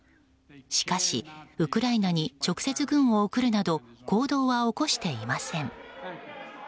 しかし、ウクライナに直接軍を送るなど行動は起こしていません。